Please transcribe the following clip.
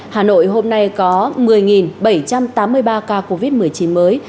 hà nội hôm nay có một mươi bảy trăm tám mươi ba ca covid một mươi chín mới